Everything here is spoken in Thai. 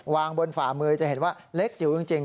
วางบนฝ่ามือจะเห็นว่าเล็กจิ๋วจริง